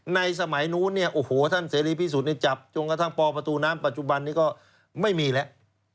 ในสมัยนู้นท่านเสรีพิสุทธิ์จับจงกระทั่งปปน้ำปัจจุบันนี้ก็ไม่มีแล้ว